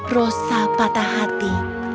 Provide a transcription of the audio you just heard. rosa patah hati